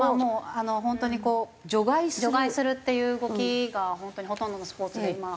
本当にこう除外するっていう動きが本当にほとんどのスポーツで今。